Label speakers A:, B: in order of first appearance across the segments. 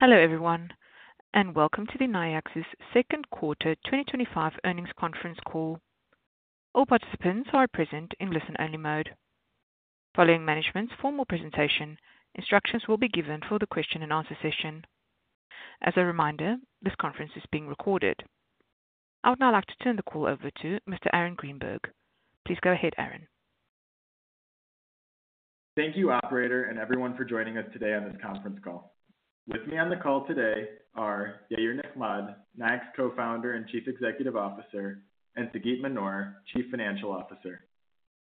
A: Hello everyone, and welcome to Nayax's Second Quarter 2025 Earnings Conference Call. All participants are present in listen-only mode. Following management's formal presentation, instructions will be given for the question-and-answer session. As a reminder, this conference is being recorded. I would now like to turn the call over to Mr. Aaron Greenberg. Please go ahead, Aaron.
B: Thank you, operator, and everyone for joining us today on this conference call. With me on the call today are Yair Nechmad, Nayax Co-Founder and Chief Executive Officer, and Sagit Manor, Chief Financial Officer.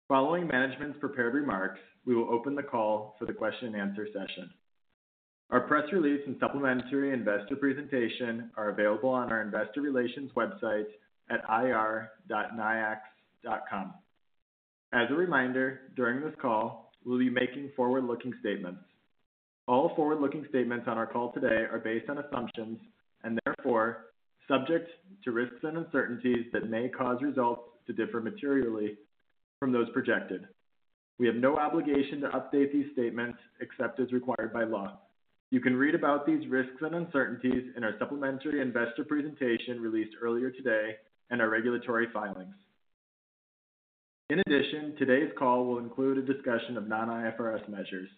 B: Following management's prepared remarks, we will open the call for the question-and-answer session. Our press release and supplementary investor presentation are available on our investor relations website at ir.nayax.com. As a reminder, during this call, we'll be making forward-looking statements. All forward-looking statements on our call today are based on assumptions and therefore subject to risks and uncertainties that may cause results to differ materially from those projected. We have no obligation to update these statements except as required by law. You can read about these risks and uncertainties in our supplementary investor presentation released earlier today and our regulatory filings. In addition, today's call will include a discussion of non-IFRS measures.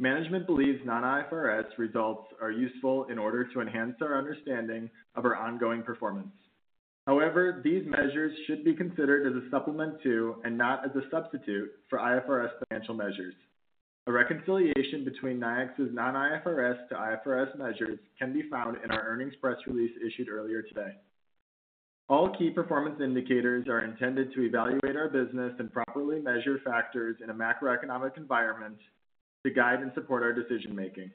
B: Management believes non-IFRS results are useful in order to enhance our understanding of our ongoing performance. However, these measures should be considered as a supplement to and not as a substitute for IFRS financial measures. A reconciliation between Nayax's non-IFRS to IFRS measures can be found in our earnings press release issued earlier today. All key performance indicators are intended to evaluate our business and properly measure factors in a macroeconomic environment to guide and support our decision-making.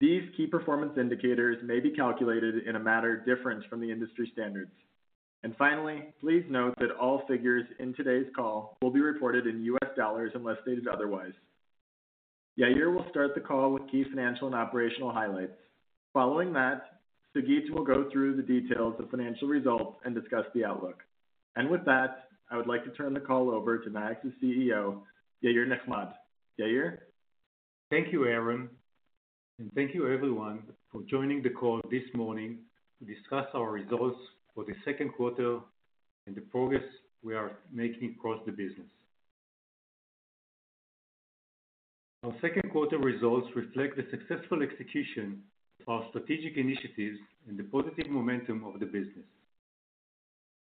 B: These key performance indicators may be calculated in a manner different from the industry standards. Finally, please note that all figures in today's call will be reported in U.S. dollars unless stated otherwise. Yair will start the call with key financial and operational highlights. Following that, Sagit will go through the details of financial results and discuss the outlook. With that, I would like to turn the call over to Nayax's CEO, Yair Nechmad. Yair?
C: Thank you, Aaron, and thank you everyone for joining the call this morning to discuss our results for the second quarter and the progress we are making across the business. Our second quarter results reflect the successful execution of our strategic initiatives and the positive momentum of the business.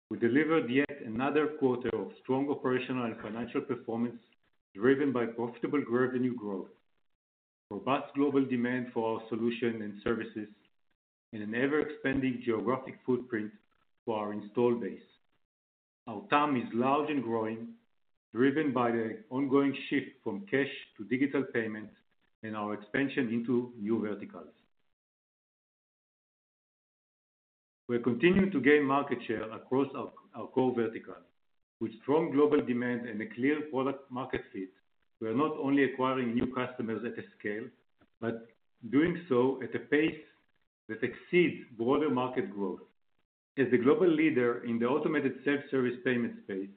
C: We delivered yet another quarter of strong operational and financial performance, driven by profitable revenue growth, robust global demand for our solution and services, and an ever-expanding geographic footprint for our install base. Our TAM is large and growing, driven by the ongoing shift from cash to digital payments and our expansion into new verticals. We're continuing to gain market share across our core verticals. With strong global demand and a clear product-market fit, we're not only acquiring new customers at a scale, but doing so at a pace that exceeds broader market growth. As the global leader in the automated self-service payment space,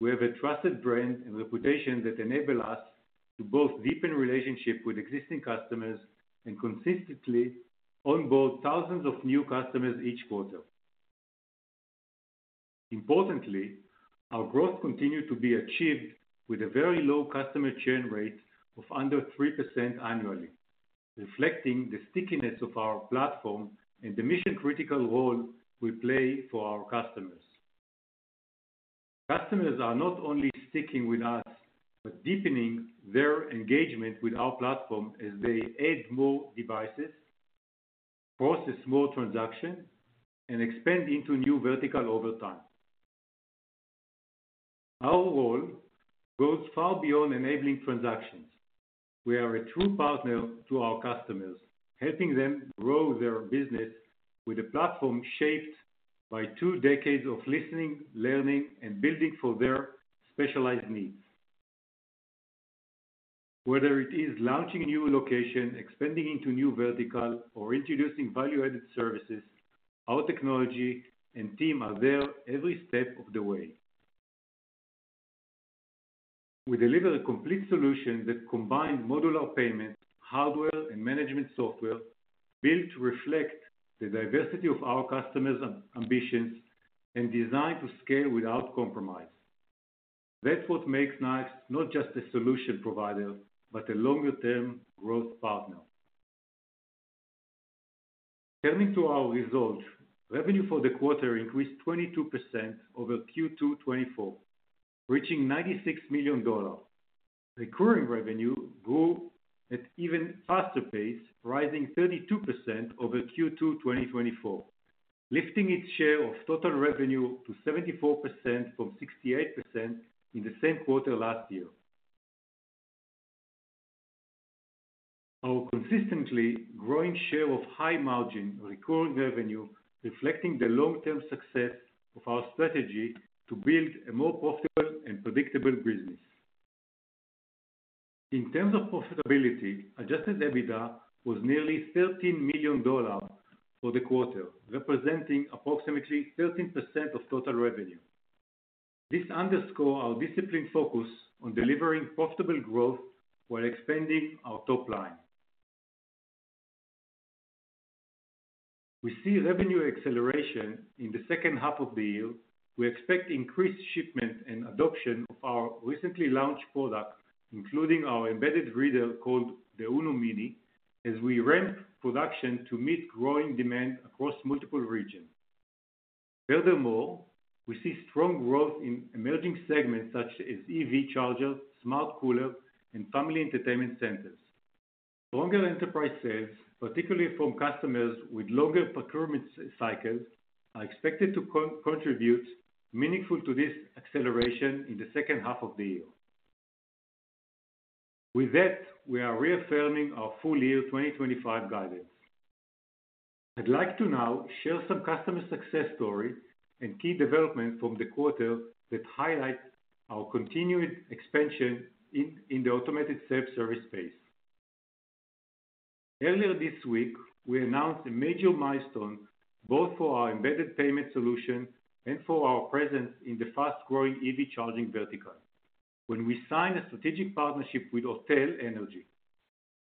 C: we have a trusted brand and reputation that enable us to both deepen relationships with existing customers and consistently onboard thousands of new customers each quarter. Importantly, our growth continues to be achieved with a very low customer churn rate of under 3% annually, reflecting the stickiness of our platform and the mission-critical role we play for our customers. Customers are not only sticking with us, but deepening their engagement with our platform as they add more devices, process more transactions, and expand into new verticals over time. Our role goes far beyond enabling transactions. We are a true partner to our customers, helping them grow their business with a platform shaped by two decades of listening, learning, and building for their specialized needs. Whether it is launching a new location, expanding into a new vertical, or introducing value-added services, our technology and team are there every step of the way. We deliver a complete solution that combines modular payment, hardware, and management software built to reflect the diversity of our customers' ambitions and designed to scale without compromise. That's what makes Nayax not just a solution provider, but a longer-term growth partner. Turning to our results, revenue for the quarter increased 22% over Q2 2024, reaching $96 million. Recurring revenue grew at an even faster pace, rising 32% over Q2 2024, lifting its share of total revenue to 74% from 68% in the same quarter last year. Our consistently growing share of high-margin recurring revenue reflects the long-term success of our strategy to build a more profitable and predictable business. In terms of profitability, adjusted EBITDA was nearly $13 million for the quarter, representing approximately 13% of total revenue. This underscores our disciplined focus on delivering profitable growth while expanding our top line. We see revenue acceleration in the second half of the year. We expect increased shipment and adoption of our recently launched product, including our embedded reader called the UNO Mini, as we ramp production to meet growing demand across multiple regions. Furthermore, we see strong growth in emerging segments such as EV chargers, smart coolers, and family entertainment centers. Stronger enterprise sales, particularly from customers with longer procurement cycles, are expected to contribute meaningfully to this acceleration in the second half of the year. With that, we are reaffirming our full year 2025 guidance. I'd like to now share some customer success stories and key developments from the quarter that highlight our continued expansion in the automated self-service space. Earlier this week, we announced a major milestone both for our embedded payment solution and for our presence in the fast-growing EV charging vertical when we signed a strategic partnership with Autel Energy.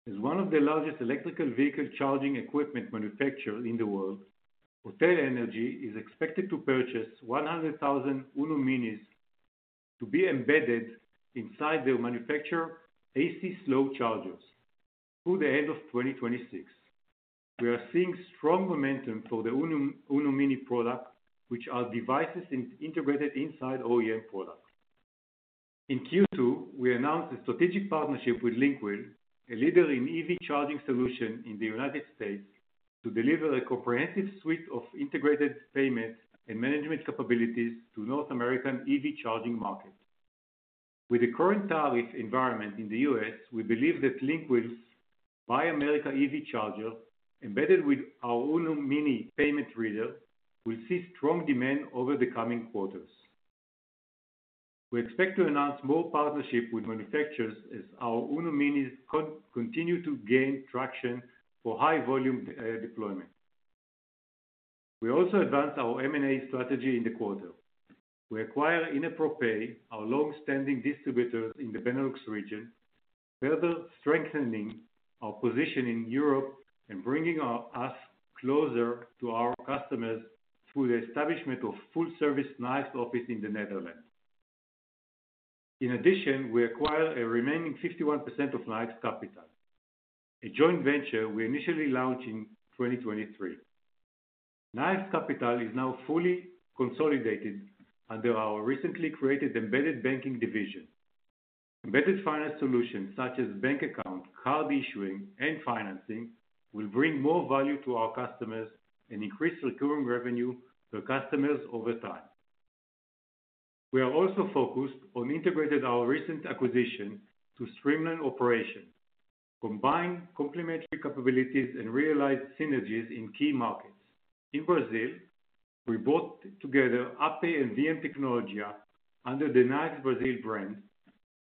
C: As one of the largest electric vehicle charging equipment manufacturers in the world, Autel Energy is expected to purchase 100,000 UNO Minis to be embedded inside their manufactured AC slow chargers through the end of 2026. We are seeing strong momentum for the UNO Mini product, which are devices integrated inside OEM products. In Q2, we announced a strategic partnership with Lynkwell, a leader in EV charging solutions in the U.S., to deliver a comprehensive suite of integrated payment and management capabilities to the North American EV charging market. With the current tariff environment in the U.S., we believe that Lynkwell's Buy America EV Charger, embedded with our UNO Mini payment reader, will see strong demand over the coming quarters. We expect to announce more partnerships with manufacturers as our UNO Minis continue to gain traction for high-volume deployment. We also advanced our M&A strategy in the quarter. We acquired Inepro Pay, our long-standing distributor in the Benelux region, further strengthening our position in Europe and bringing us closer to our customers through the establishment of a full-service Nayax office in the Netherlands. In addition, we acquired the remaining 51% of Nayax Capital, a joint venture we initially launched in 2023. Nayax Capital is now fully consolidated under our recently created embedded banking division. Embedded finance solutions such as bank accounts, card issuing, and financing will bring more value to our customers and increase recurring revenue per customer over time. We are also focused on integrating our recent acquisition to streamline operations, combine complementary capabilities, and realize synergies in key markets. In Brazil, we brought together UPPay and VMtecnologia under the Nayax Brazil brand,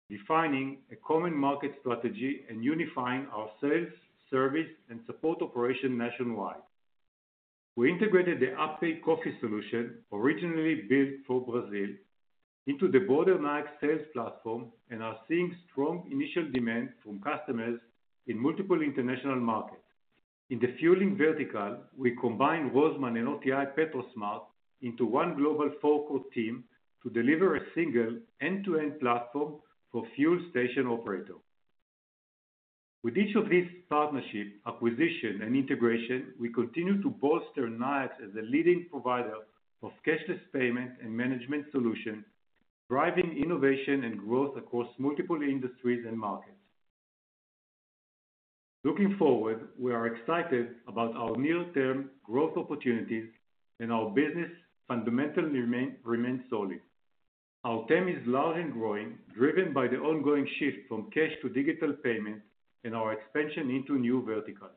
C: defining a common market strategy and unifying our sales, service, and support operations nationwide. We integrated the UPPay Coffee solution, originally built for Brazil, into the broader Nayax sales platform and are seeing strong initial demand from customers in multiple international markets. In the fueling vertical, we combined Roseman and OTI PetroSmart into one global four-core team to deliver a single end-to-end platform for fuel station operators. With each of these partnerships, acquisitions, and integrations, we continue to bolster Nayax as the leading provider of cashless payment and management solutions, driving innovation and growth across multiple industries and markets. Looking forward, we are excited about our near-term growth opportunities and our business fundamentals remain solid. Our team is large and growing, driven by the ongoing shift from cash to digital payments and our expansion into new verticals.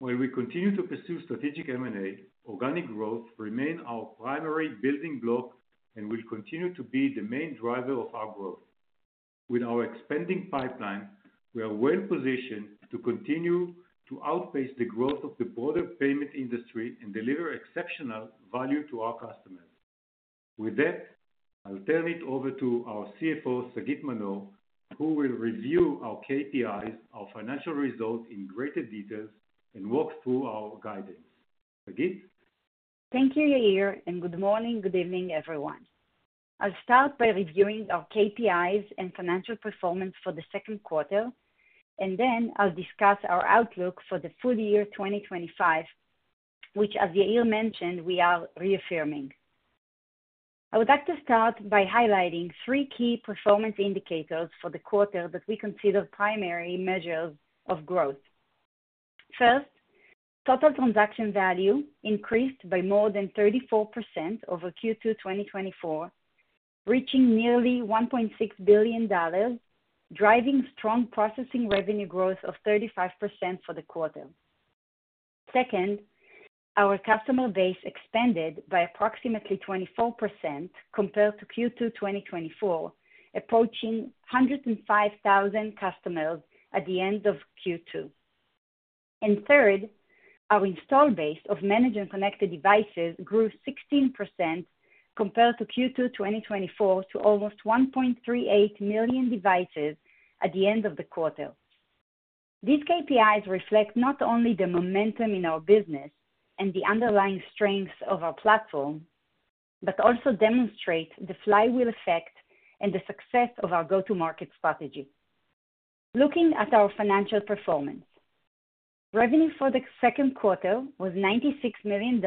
C: While we continue to pursue strategic M&A, organic growth remains our primary building block and will continue to be the main driver of our growth. With our expanding pipeline, we are well positioned to continue to outpace the growth of the broader payment industry and deliver exceptional value to our customers. With that, I'll turn it over to our CFO, Sagit Manor, who will review our KPIs, our financial results in greater detail, and walk through our guidance. Sagit?
D: Thank you, Yair, and good morning, good evening, everyone. I'll start by reviewing our KPIs and financial performance for the second quarter, and then I'll discuss our outlook for the full year 2025, which, as Yair mentioned, we are reaffirming. I would like to start by highlighting three key performance indicators for the quarter that we consider primary measures of growth. First, total transaction value increased by more than 34% over Q2 2024, reaching nearly $1.6 billion, driving strong processing revenue growth of 35% for the quarter. Second, our customer base expanded by approximately 24% compared to Q2 2024, approaching 105,000 customers at the end of Q2. Third, our install base of managed and connected devices grew 16% compared to Q2 2024 to almost 1.38 million devices at the end of the quarter. These KPIs reflect not only the momentum in our business and the underlying strengths of our platform, but also demonstrate the flywheel effect and the success of our go-to-market strategy. Looking at our financial performance, revenue for the second quarter was $96 million,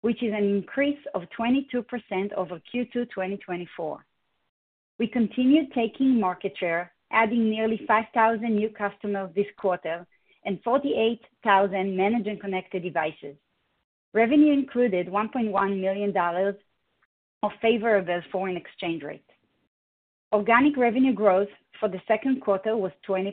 D: which is an increase of 22% over Q2 2024. We continued taking market share, adding nearly 5,000 new customers this quarter and 48,000 managed and connected devices. Revenue included $1.1 million, a favorable foreign exchange rate. Organic revenue growth for the second quarter was 20%.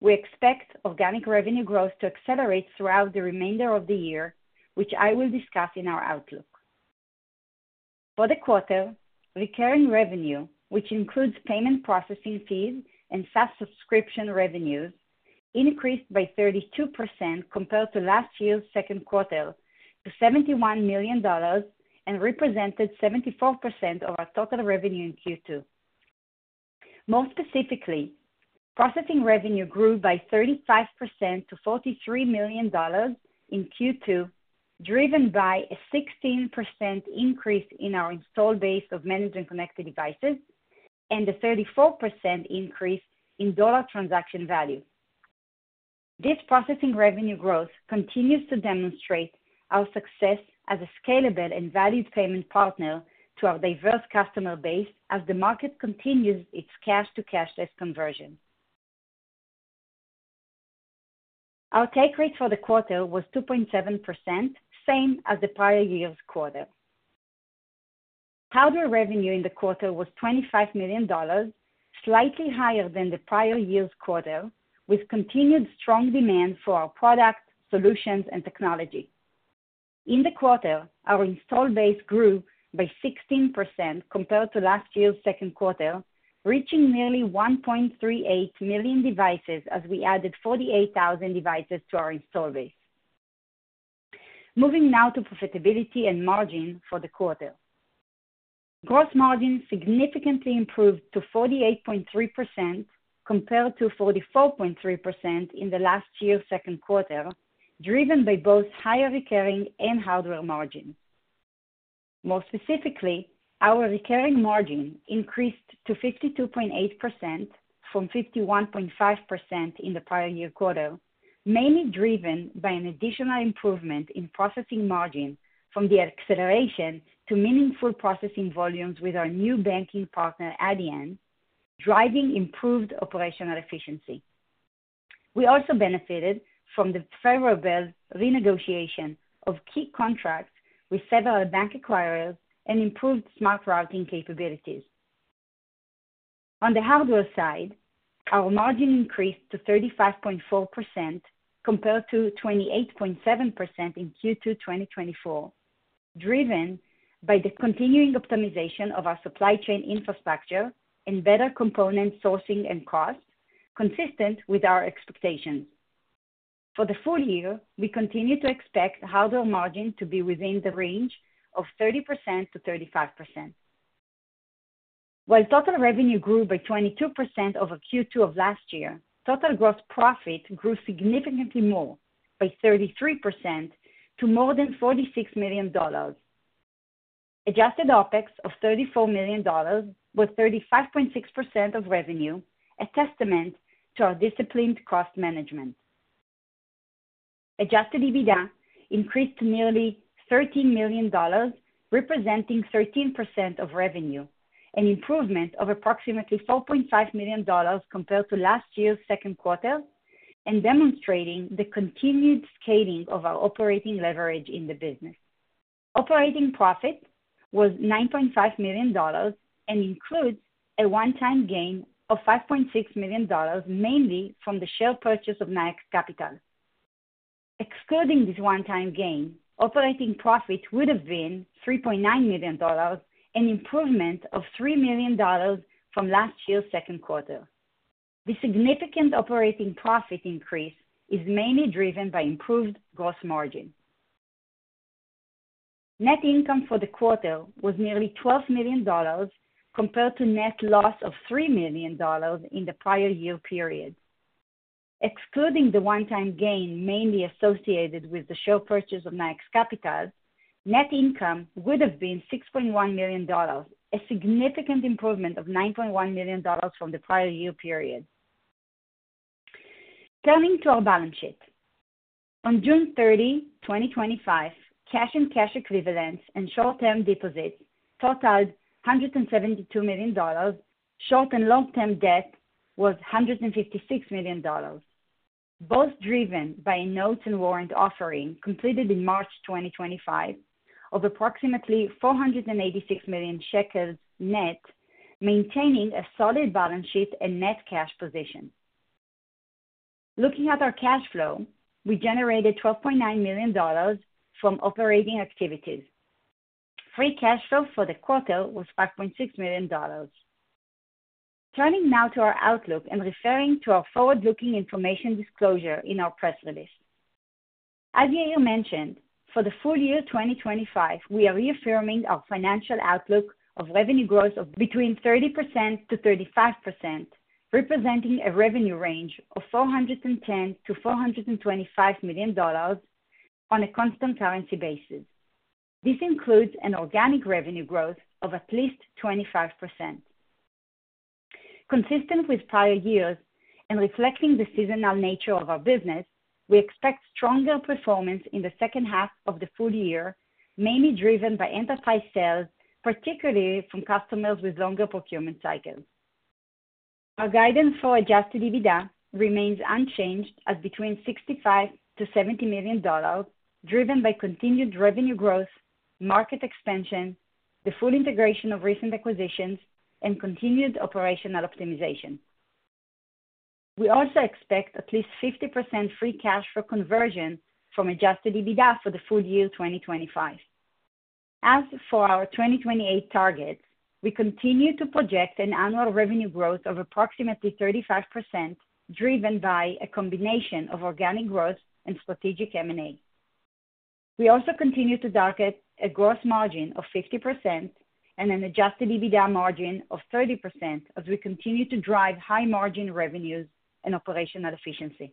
D: We expect organic revenue growth to accelerate throughout the remainder of the year, which I will discuss in our outlook. For the quarter, recurring revenue, which includes payment processing fees and SaaS subscription revenues, increased by 32% compared to last year's second quarter to $71 million and represented 74% of our total revenue in Q2. More specifically, processing revenue grew by 35% to $43 million in Q2, driven by a 16% increase in our install base of managed and connected devices and a 34% increase in dollar transaction value. This processing revenue growth continues to demonstrate our success as a scalable and valued payment partner to our diverse customer base as the market continues its cash-to-cashless conversion. Our take rate for the quarter was 2.7%, same as the prior year's quarter. Hardware revenue in the quarter was $25 million, slightly higher than the prior year's quarter, with continued strong demand for our product, solutions, and technology. In the quarter, our install base grew by 16% compared to last year's second quarter, reaching nearly 1.38 million devices as we added 48,000 devices to our install base. Moving now to profitability and margin for the quarter. Gross margin significantly improved to 48.3% compared to 44.3% in last year's second quarter, driven by both higher recurring and hardware margin. More specifically, our recurring margin increased to 52.8% from 51.5% in the prior year quarter, mainly driven by an additional improvement in processing margin from the acceleration to meaningful processing volumes with our new banking partner, Adyen, driving improved operational efficiency. We also benefited from the favorable renegotiation of key contracts with several bank acquirers and improved smart routing capabilities. On the hardware side, our margin increased to 35.4% compared to 28.7% in Q2 2024, driven by the continuing optimization of our supply chain infrastructure and better component sourcing and cost, consistent with our expectations. For the full year, we continue to expect hardware margin to be within the range of 30%-35%. While total revenue grew by 22% over Q2 of last year, total gross profit grew significantly more, by 33% to more than $46 million. Adjusted OpEx of $34 million was 35.6% of revenue, a testament to our disciplined cost management. Adjusted EBITDA increased to nearly $13 million, representing 13% of revenue, an improvement of approximately $4.5 million compared to last year's second quarter, and demonstrating the continued scaling of our operating leverage in the business. Operating profit was $9.5 million and includes a one-time gain of $5.6 million, mainly from the share purchase of Nayax Capital. Excluding this one-time gain, operating profit would have been $3.9 million, an improvement of $3 million from last year's second quarter. This significant operating profit increase is mainly driven by improved gross margin. Net income for the quarter was nearly $12 million compared to net loss of $3 million in the prior year period. Excluding the one-time gain mainly associated with the share purchase of Nayax Capital, net income would have been $6.1 million, a significant improvement of $9.1 million from the prior year period. Turning to our balance sheet. On June 30, 2025, cash and cash equivalents and short-term deposits totaled $172 million. Short and long-term debt was $156 million, both driven by a notice and warrant offering completed in March 2025 of approximately NIS 486 million, maintaining a solid balance sheet and net cash position. Looking at our cash flow, we generated $12.9 million from operating activities. Free cash flow for the quarter was $5.6 million. Turning now to our outlook and referring to our forward-looking information disclosure in our press release. As Yair mentioned, for the full year 2025, we are reaffirming our financial outlook of revenue growth of between 30%-35%, representing a revenue range of $410 million-$425 million on a constant currency basis. This includes an organic revenue growth of at least 25%. Consistent with prior years and reflecting the seasonal nature of our business, we expect stronger performance in the second half of the full year, mainly driven by enterprise sales, particularly from customers with longer procurement cycles. Our guidance for adjusted EBITDA remains unchanged at between $65 million-$70 million, driven by continued revenue growth, market expansion, the full integration of recent acquisitions, and continued operational optimization. We also expect at least 50% free cash flow conversion from adjusted EBITDA for the full year 2025. As for our 2028 target, we continue to project an annual revenue growth of approximately 35%, driven by a combination of organic growth and strategic M&A. We also continue to target a gross margin of 50% and an adjusted EBITDA margin of 30% as we continue to drive high margin revenues and operational efficiency.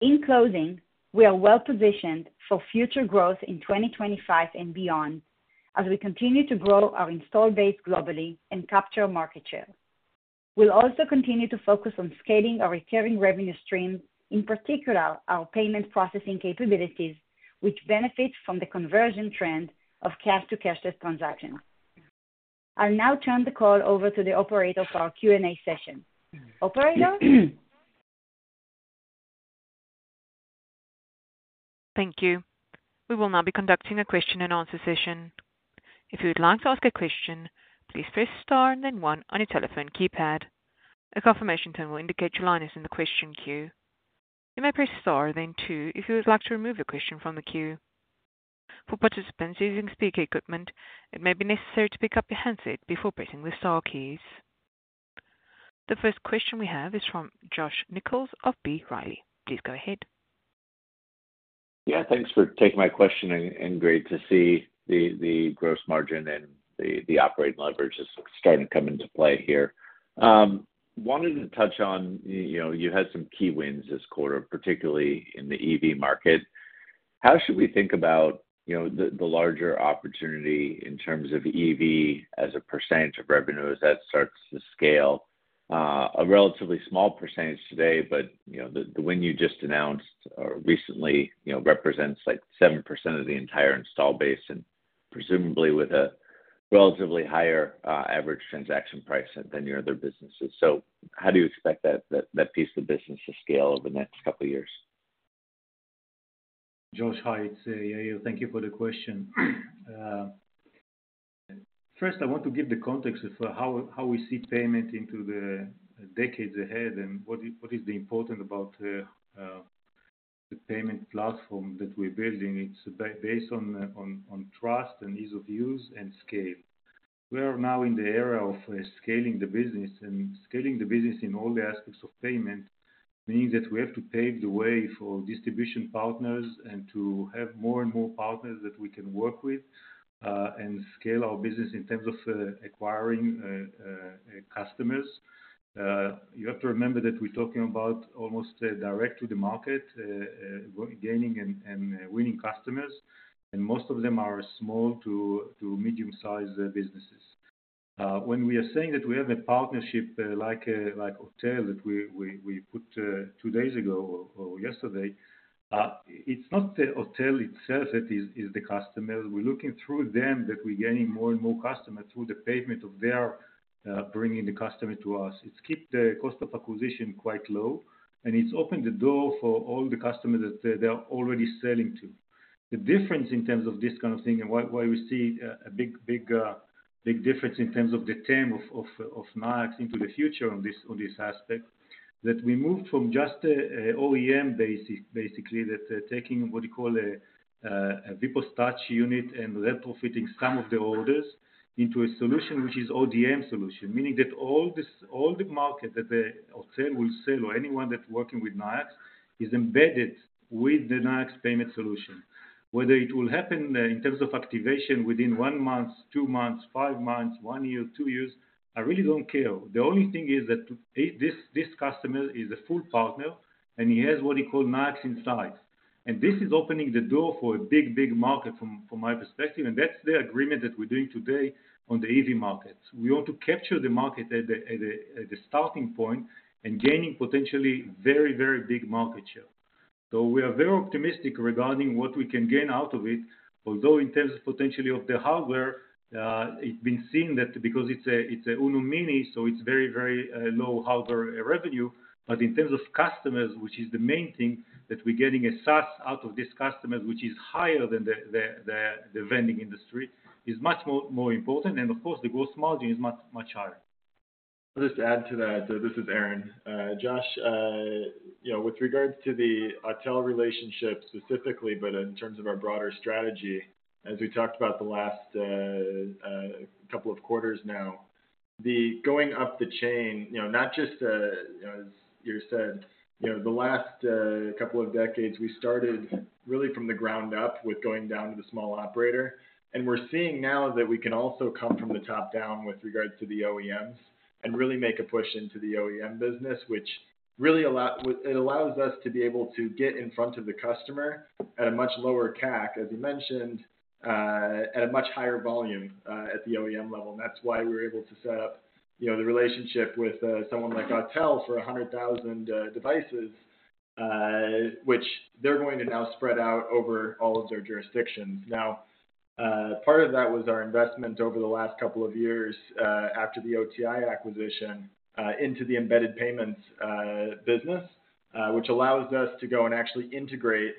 D: In closing, we are well positioned for future growth in 2025 and beyond as we continue to grow our install base globally and capture market share. We'll also continue to focus on scaling our recurring revenue streams, in particular our payment processing capabilities, which benefit from the conversion trend of cash-to-cashless transactions. I'll now turn the call over to the operator for our Q&A session. Operator?
A: Thank you. We will now be conducting a question and answer session. If you would like to ask a question, please press star and then one on your telephone keypad. A confirmation tone will indicate your line is in the question queue. You may press star and then two if you would like to remove your question from the queue. For participants using speaker equipment, it may be necessary to pick up your handset before pressing the star keys. The first question we have is from Josh Nichols of B. Riley. Please go ahead.
E: Yeah, thanks for taking my question. Great to see the gross margin and the operating leverage is starting to come into play here. I wanted to touch on, you had some key wins this quarter, particularly in the EV market. How should we think about the larger opportunity in terms of EV as a percentage of revenue as that starts to scale? A relatively small percentage today, but the win you just announced recently represents like 7% of the entire install base, and presumably with a relatively higher average transaction price than your other businesses. How do you expect that piece of the business to scale over the next couple of years?
C: Josh, hi. It's Yair. Thank you for the question. First, I want to give the context of how we see payment into the decades ahead and what is important about the payment platform that we're building. It's based on trust and ease of use and scale. We are now in the era of scaling the business and scaling the business in all the aspects of payment, meaning that we have to pave the way for distribution partners and to have more and more partners that we can work with and scale our business in terms of acquiring customers. You have to remember that we're talking about almost direct to the market, gaining and winning customers, and most of them are small to medium-sized businesses. When we are saying that we have a partnership like Autel Energy that we put two days ago or yesterday, it's not the Autel Energy itself that is the customer. We're looking through them that we're gaining more and more customers through the pavement of their bringing the customer to us. It has kept the cost of acquisition quite low, and it has opened the door for all the customers that they are already selling to. The difference in terms of this kind of thing and why we see a big, big, big difference in terms of the team of Nayax into the future on this aspect, that we moved from just an OEM basis, basically, that taking what we call a Vipassatchi unit and retrofitting some of the orders into a solution which is an ODM solution, meaning that all the market that Autel Energy will sell or anyone that's working with Nayax is embedded with the Nayax payment solution. Whether it will happen in terms of activation within one month, two months, five months, one year, two years, I really don't care. The only thing is that this customer is a full partner and he has what he calls Nayax Insights. This is opening the door for a big, big market from my perspective, and that's the agreement that we're doing today on the EV markets. We want to capture the market at the starting point and gaining potentially very, very big market share. We are very optimistic regarding what we can gain out of it, although in terms of potentially of the hardware, it's been seen that because it's an UNO Mini, it's very, very low hardware revenue. In terms of customers, which is the main thing that we're getting a SaaS out of these customers, which is higher than the vending industry, is much more important. Of course, the gross margin is much, much higher.
B: Just to add to that, this is Aaron. Josh, with regards to the Autel relationship specifically, but in terms of our broader strategy, as we talked about the last couple of quarters now, going up the chain, not just as Yair said, the last couple of decades we started really from the ground up with going down to the small operator. We're seeing now that we can also come from the top down with regards to the OEMs and really make a push into the OEM business, which really allows us to be able to get in front of the customer at a much lower CAC, as you mentioned, at a much higher volume at the OEM level. That's why we were able to set up the relationship with someone like Autel for 100,000 devices, which they're going to now spread out over all of their jurisdictions. Part of that was our investment over the last couple of years after the OTI acquisition into the embedded payments business, which allows us to go and actually integrate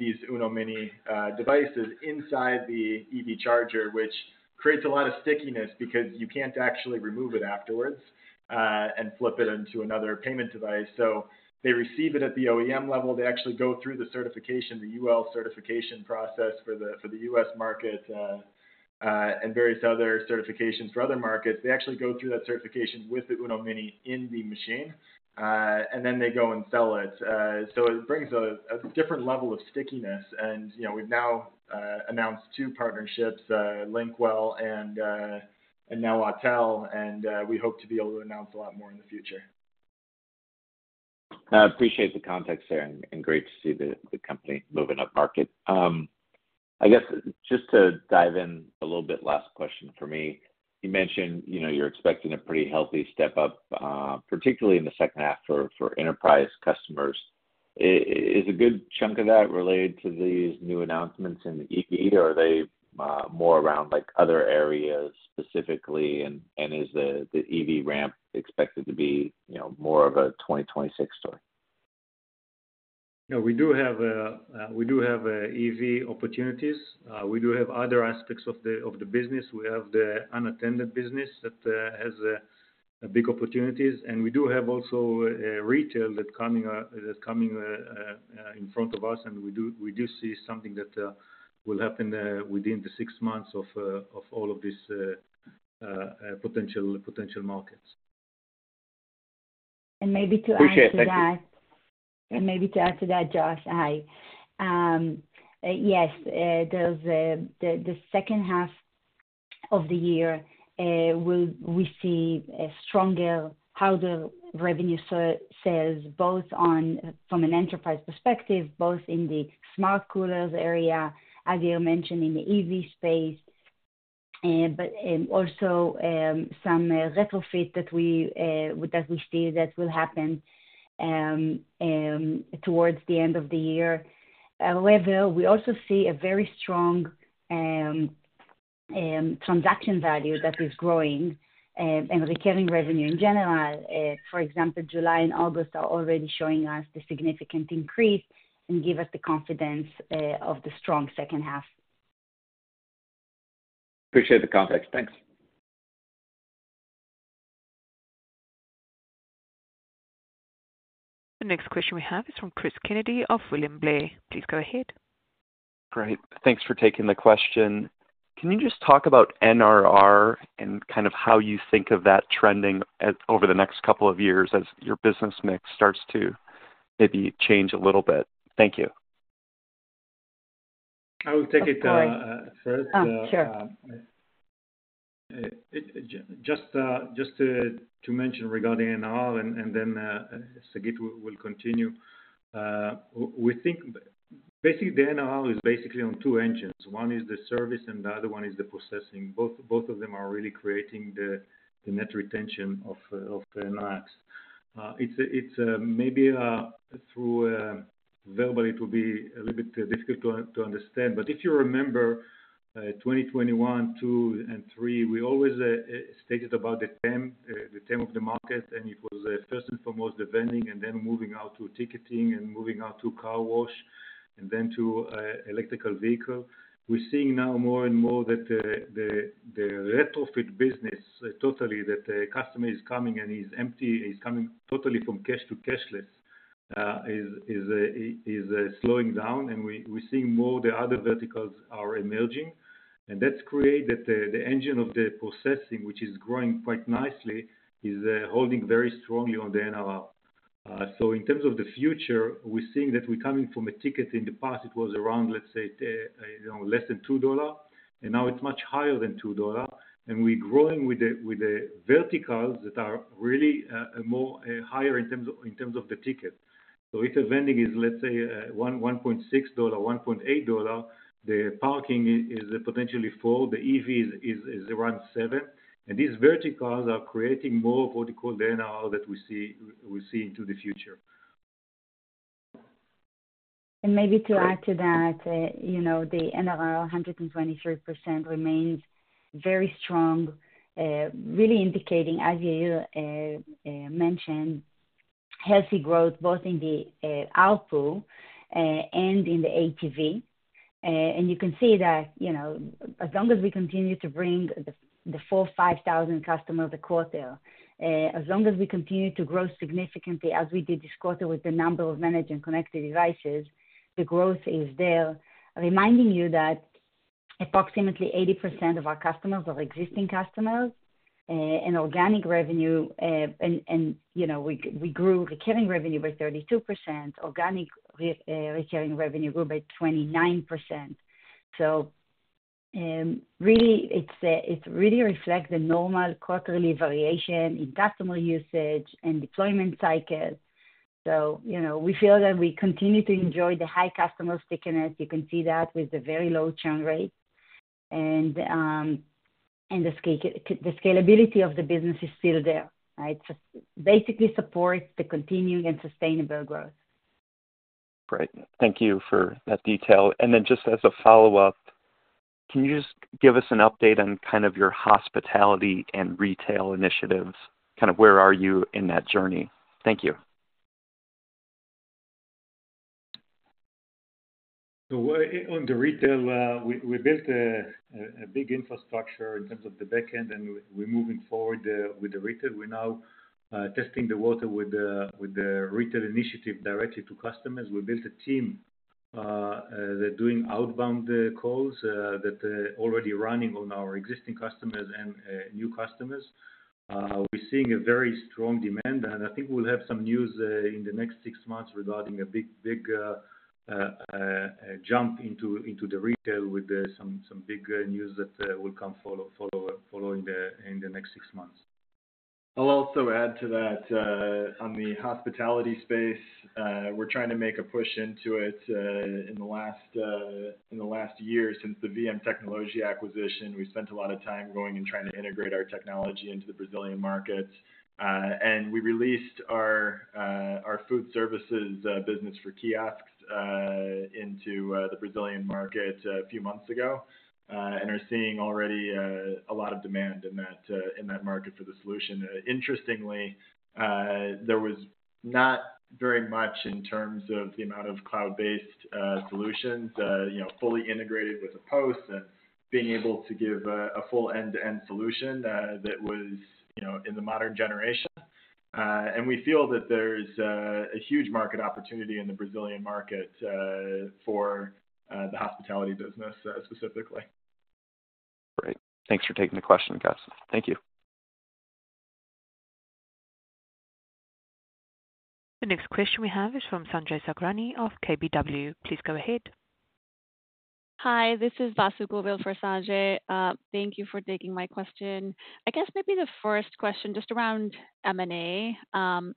B: these UNO Mini devices inside the EV charger, which creates a lot of stickiness because you can't actually remove it afterwards and flip it into another payment device. They receive it at the OEM level. They actually go through the certification, the UL certification process for the U.S. market and various other certifications for other markets. They actually go through that certification with the UNO Mini in the machine, and then they go and sell it. It brings a different level of stickiness. We've now announced two partnerships, Lynkwell and now Autel, and we hope to be able to announce a lot more in the future.
E: I appreciate the context, Aaron, and great to see the company moving up market. I guess just to dive in a little bit, last question for me. You mentioned, you know, you're expecting a pretty healthy step up, particularly in the second half for enterprise customers. Is a good chunk of that related to these new announcements in EV, or are they more around like other areas specifically? Is the EV ramp expected to be, you know, more of a 2026 story?
C: No, we do have EV opportunities. We do have other aspects of the business. We have the unattended business that has big opportunities, and we do have also retail that's coming in front of us. We do see something that will happen within the six months of all of these potential markets.
D: To add to that, Josh, hi. Yes, the second half of the year we see stronger, harder revenue sales, both from an enterprise perspective, both in the smart coolers area, as Yair mentioned, in the EV space, but also some retrofit that we see that will happen towards the end of the year. However, we also see a very strong transaction value that is growing and recurring revenue in general. For example, July and August are already showing us the significant increase and give us the confidence of the strong second half.
E: Appreciate the context. Thanks.
A: The next question we have is from Cris Kennedy of William Blair. Please go ahead.
F: Great. Thanks for taking the question. Can you just talk about NRR and kind of how you think of that trending over the next couple of years as your business mix starts to maybe change a little bit? Thank you.
C: I will take it first.
D: Sure.
C: Just to mention regarding NRR, and then Sagit will continue. We think basically the NRR is basically on two engines. One is the service, and the other one is the processing. Both of them are really creating the net retention of Nayax. It may be through verbally it will be a little bit difficult to understand, but if you remember 2021, 2022, and 2023, we always stated about the TAM, the TAM of the market, and it was first and foremost the vending, and then moving out to ticketing, and moving out to car wash, and then to electric vehicle. We're seeing now more and more that the retrofit business totally, that the customer is coming and he's empty, he's coming totally from cash to cashless, is slowing down, and we're seeing more of the other verticals are emerging. That created the engine of the processing, which is growing quite nicely, is holding very strongly on the NRR. In terms of the future, we're seeing that we're coming from a ticket. In the past, it was around, let's say, less than $2, and now it's much higher than $2, and we're growing with the verticals that are really more higher in terms of the ticket. Retail vending is, let's say, $1.6, $1.8. The parking is potentially $4. The EV is around $7. These verticals are creating more of what we call the NRR that we see into the future.
D: Maybe to add to that, you know, the NRR 123% remains very strong, really indicating, as Yair mentioned, healthy growth both in the output and in the ATV. You can see that, you know, as long as we continue to bring the four, five thousand customers a quarter, as long as we continue to grow significantly as we did this quarter with the number of managed and connected devices, the growth is there. Reminding you that approximately 80% of our customers are existing customers, and organic revenue, and you know, we grew recurring revenue by 32%. Organic recurring revenue grew by 29%. It really reflects the normal quarterly variation in customer usage and deployment cycles. We feel that we continue to enjoy the high customer stickiness. You can see that with a very low churn rate. The scalability of the business is still there, right? Basically supports the continuing and sustainable growth.
F: Great. Thank you for that detail. Just as a follow-up, can you give us an update on your hospitality and retail initiatives? Where are you in that journey? Thank you.
C: On the retail, we built a big infrastructure in terms of the backend, and we're moving forward with the retail. We're now testing the water with the retail initiative directly to customers. We built a team. They're doing outbound calls that are already running on our existing customers and new customers. We're seeing a very strong demand, and I think we'll have some news in the next six months regarding a big, big jump into the retail with some big news that will come following in the next six months.
B: I'll also add to that on the hospitality space. We're trying to make a push into it in the last year since the VMtecnologia acquisition. We spent a lot of time going and trying to integrate our technology into the Brazilian markets. We released our food services business for kiosks into the Brazilian market a few months ago and are seeing already a lot of demand in that market for the solution. Interestingly, there was not very much in terms of the amount of cloud-based solutions, you know, fully integrated with a POS and being able to give a full end-to-end solution that was, you know, in the modern generation. We feel that there's a huge market opportunity in the Brazilian market for the hospitality business specifically.
F: Great. Thanks for taking the question, guys. Thank you.
A: The next question we have is from Sanjay Sakhrani of KBW. Please go ahead. Hi, this is [Basu Gobil] for Sanjay. Thank you for taking my question. I guess maybe the first question just around M&A.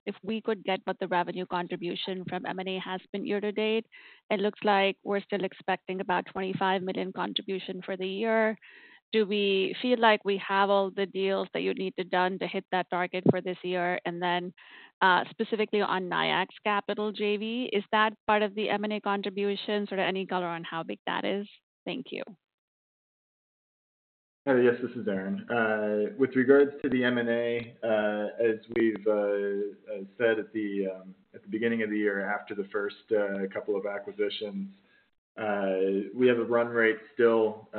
A: If we could get what the revenue contribution from M&A has been year to date, it looks like we're still expecting about $25 million contribution for the year. Do we feel like we have all the deals that you need done to hit that target for this year? Specifically on Nayax Capital JV, is that part of the M&A contributions or any color on how big that is? Thank you.
B: Yes, this is Aaron. With regards to the M&A, as we've said at the beginning of the year after the first couple of acquisitions, we have a run rate still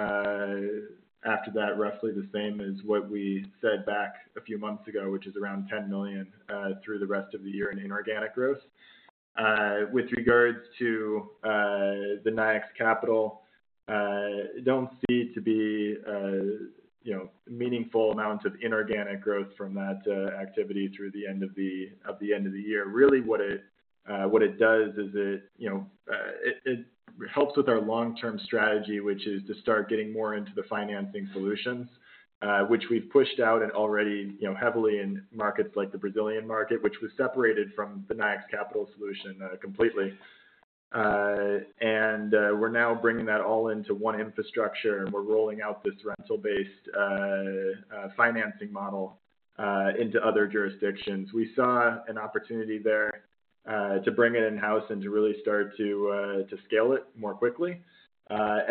B: after that roughly the same as what we said back a few months ago, which is around $10 million through the rest of the year in inorganic growth. With regards to Nayax Capital, I don't see it to be a meaningful amount of inorganic growth from that activity through the end of the year. Really, what it does is it helps with our long-term strategy, which is to start getting more into the financing solutions, which we've pushed out and already heavily in markets like the Brazilian market, which was separated from the Nayax Capital solution completely. We're now bringing that all into one infrastructure and we're rolling out this rental-based financing model into other jurisdictions. We saw an opportunity there to bring it in-house and to really start to scale it more quickly.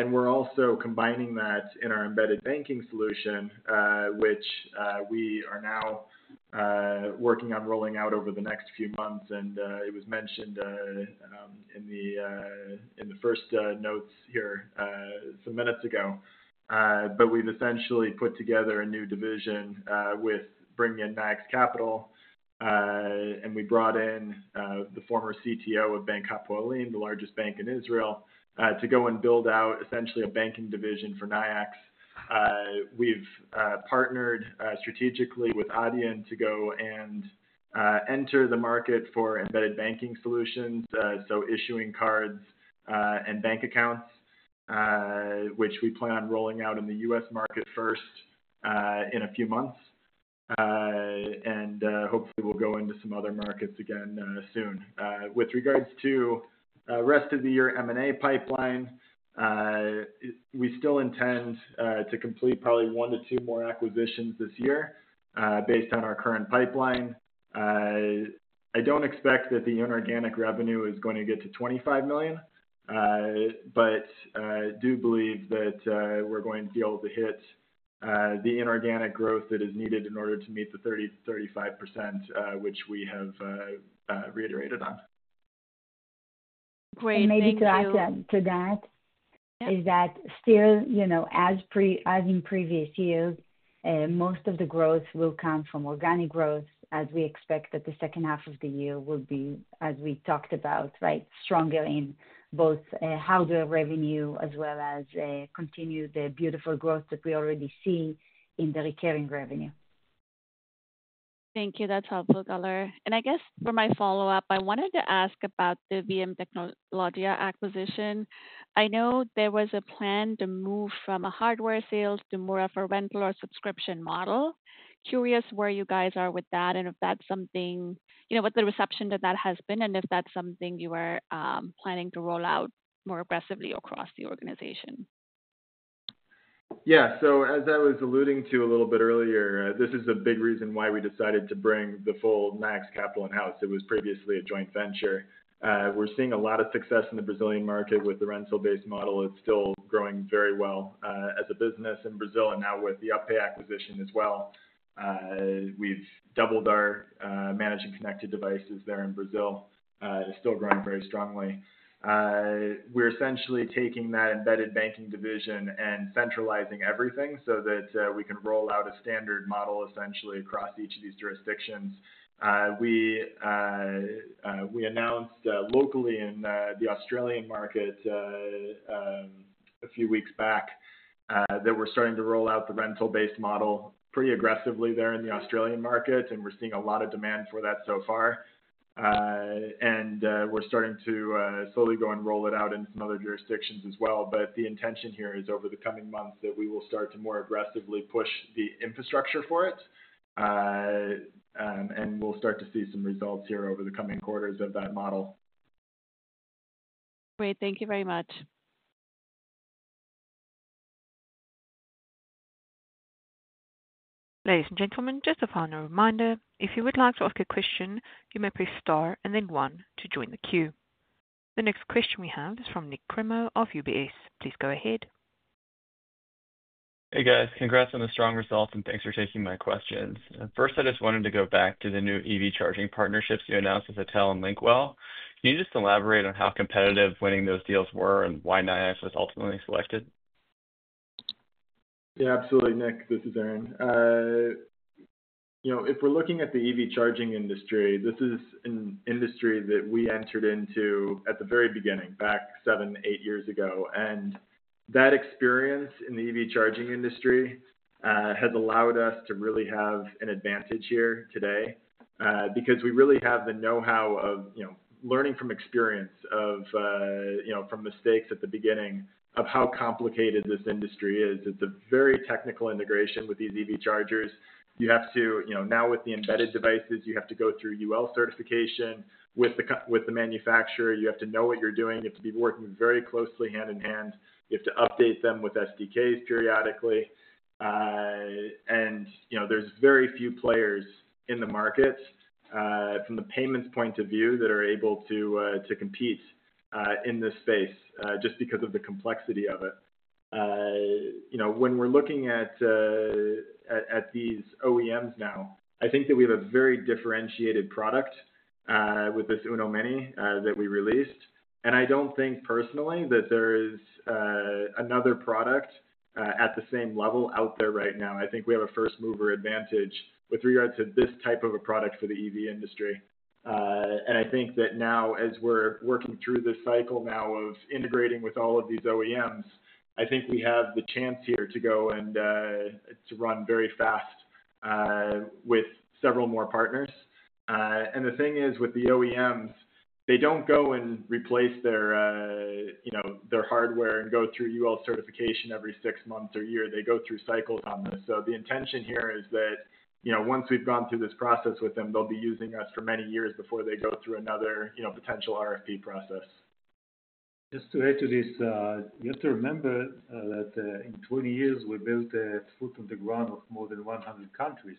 B: We're also combining that in our embedded banking solution, which we are now working on rolling out over the next few months. It was mentioned in the first notes here some minutes ago. We've essentially put together a new division with bringing in Nayax Capital. We brought in the former CTO of Bank Hapoalim, the largest bank in Israel, to go and build out essentially a banking division for Nayax. We've partnered strategically with Adyen to go and enter the market for embedded banking solutions, so issuing cards and bank accounts, which we plan on rolling out in the U.S. market first in a few months. Hopefully, we'll go into some other markets again soon. With regards to the rest of the year M&A pipeline, we still intend to complete probably one to two more acquisitions this year based on our current pipeline. I don't expect that the inorganic revenue is going to get to $25 million, but I do believe that we're going to be able to hit the inorganic growth that is needed in order to meet the 30%-35%, which we have reiterated on.
D: To add to that, as in previous years, most of the growth will come from organic growth as we expect that the second half of the year will be, as we talked about, right, stronger in both hardware revenue as well as continue the beautiful growth that we already see in the recurring revenue. Thank you. That's helpful, [Guler]. For my follow-up, I wanted to ask about the VMtecnologia acquisition. I know there was a plan to move from a hardware sales to more of a rental or subscription model. Curious where you guys are with that and if that's something, you know, what the reception to that has been and if that's something you are planning to roll out more aggressively across the organization.
B: Yeah, as I was alluding to a little bit earlier, this is a big reason why we decided to bring the full Nayax Capital in-house. It was previously a joint venture. We're seeing a lot of success in the Brazilian market with the rental-based model. It's still growing very well as a business in Brazil and now with the UPPay acquisition as well. We've doubled our managed and connected devices there in Brazil. It's still growing very strongly. We're essentially taking that embedded banking division and centralizing everything so that we can roll out a standard model essentially across each of these jurisdictions. We announced locally in the Australian market a few weeks back that we're starting to roll out the rental-based model pretty aggressively there in the Australian market, and we're seeing a lot of demand for that so far. We're starting to slowly go and roll it out in some other jurisdictions as well. The intention here is over the coming months that we will start to more aggressively push the infrastructure for it, and we'll start to see some results here over the coming quarters of that model. Great. Thank you very much.
A: Ladies and gentlemen, just a final reminder, if you would like to ask a question, you may press star and then one to join the queue. The next question we have is from Nik Cremo of UBS. Please go ahead.
G: Hey guys, congrats on the strong results and thanks for taking my question. First, I just wanted to go back to the new EV charging partnerships you announced with Autel and Lynkwell. Can you just elaborate on how competitive winning those deals were and why Nayax was ultimately selected?
B: Yeah, absolutely, Nik. This is Aaron. If we're looking at the EV charging industry, this is an industry that we entered into at the very beginning, back seven, eight years ago. That experience in the EV charging industry has allowed us to really have an advantage here today because we really have the know-how of learning from experience, from mistakes at the beginning of how complicated this industry is. It's a very technical integration with these EV chargers. Now with the embedded devices, you have to go through UL certification with the manufacturer. You have to know what you're doing. You have to be working very closely hand in hand. You have to update them with SDKs periodically. There are very few players in the market from the payments point of view that are able to compete in this space just because of the complexity of it. When we're looking at these OEMs now, I think that we have a very differentiated product with this UNO Mini that we released. I don't think personally that there is another product at the same level out there right now. I think we have a first-mover advantage with regards to this type of a product for the EV industry. Now, as we're working through this cycle of integrating with all of these OEMs, I think we have the chance here to go and to run very fast with several more partners. The thing is, with the OEMs, they don't go and replace their hardware and go through UL certification every six months or year. They go through cycles on this. The intention here is that once we've gone through this process with them, they'll be using us for many years before they go through another potential RFP process.
C: Just to add to this, you have to remember that in 20 years, we built a foot on the ground of more than 100 countries.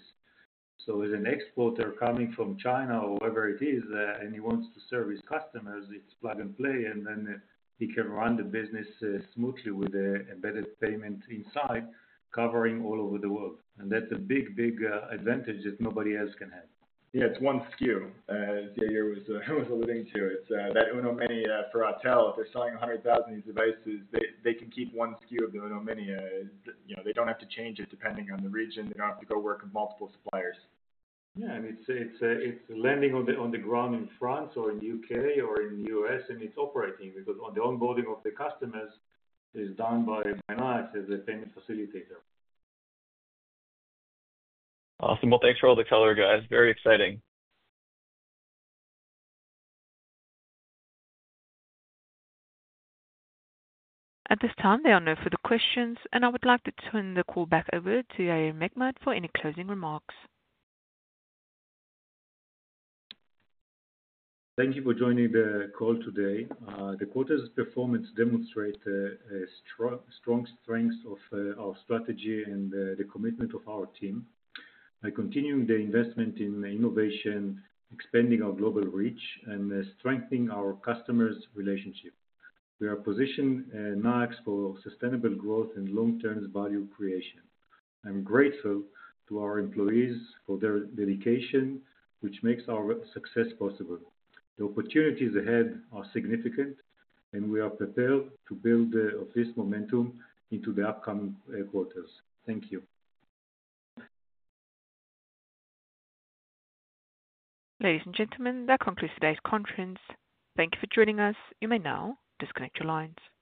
C: As an exporter coming from China or wherever it is, and he wants to service customers, it's plug and play, and then he can run the business smoothly with the embedded payment inside, covering all over the world. That's a big, big advantage that nobody else can have.
B: Yeah, it's one SKU, as Yair was alluding to. It's that UNO Mini for Autel. If they're selling 100,000 of these devices, they can keep one SKU of the UNO Mini. They don't have to change it depending on the region. They don't have to go work with multiple suppliers.
C: Yeah, it's landing on the ground in France or in the U.K. or in the U.S., and it's operating because the onboarding of the customers is done by Nayax as a payment facilitator.
G: Awesome. Thanks for all the color, guys. Very exciting.
A: At this time, there are no further questions, and I would like to turn the call back over to Yair Nechmad for any closing remarks.
C: Thank you for joining the call today. The quarter's performance demonstrates strong strengths of our strategy and the commitment of our team. By continuing the investment in innovation, expanding our global reach, and strengthening our customers' relationship, we are positioning Nayax for sustainable growth and long-term value creation. I'm grateful to our employees for their dedication, which makes our success possible. The opportunities ahead are significant, and we are prepared to build this momentum into the upcoming quarters. Thank you.
A: Ladies and gentlemen, that concludes today's conference. Thank you for joining us. You may now disconnect your lines.